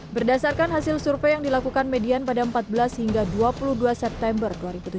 berdasarkan hasil survei yang dilakukan median pada empat belas hingga dua puluh dua september dua ribu tujuh belas